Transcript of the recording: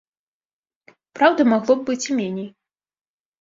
Праўда, магло б быць і меней.